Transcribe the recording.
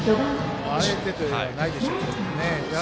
あえてではないでしょうけどね。